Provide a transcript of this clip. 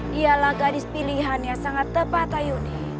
dialah gadis pilihan yang sangat tepat ayuni